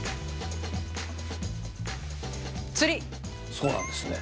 そうなんですね。